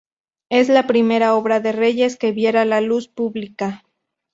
Es la primera obra de Reyes que viera la luz pública.